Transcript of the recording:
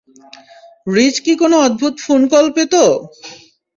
Ridge কি কোন অদ্ভুত ফোন কল পেতো?